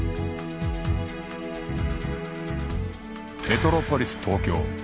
メトロポリス東京